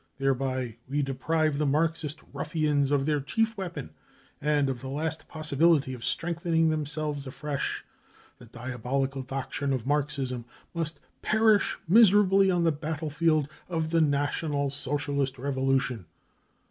Thereby we deprive the Marxist ruffians of their chief weapon and of the last possibility of strengthening them selves afresh. The diabolical doctrine of Marxism must pefish miserably on the battlefield of the National * Socialist revolution.